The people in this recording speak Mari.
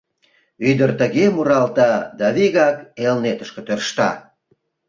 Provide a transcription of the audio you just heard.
Ӱдыр тыге муралта да вигак Элнетышке тӧршта.